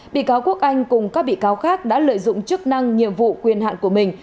bị cáo quốc anh cùng các bị cáo khác đã lợi dụng chức năng nhiệm vụ quyền hạn của mình